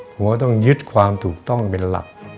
หัวต้องยึดความถูกต้องเป็นหลัก